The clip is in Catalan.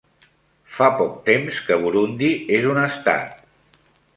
Fa poc temps que Burundi és un estat.